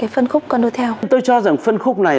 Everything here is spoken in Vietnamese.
phân khúc cô đô theo tôi cho rằng phân khúc này